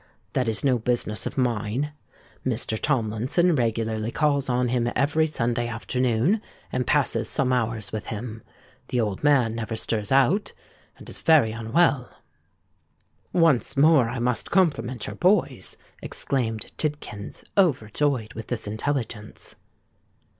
That is no business of mine. Mr. Tomlinson regularly calls on him every Sunday afternoon, and passes some hours with him. The old man never stirs out, and is very unwell." "Once more I must compliment your boys," exclaimed Tidkins, overjoyed with this intelligence.